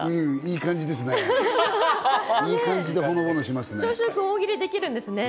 いい感じですね。